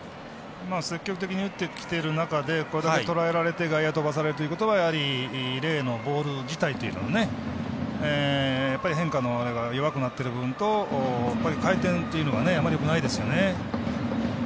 積極的に打ってきてる中でこれだけ、とらえられて外野に飛ばされているということはやはりレイのボール自体というのも変化のあれが弱くなってる部分と回転というのがあまりよくないですよね。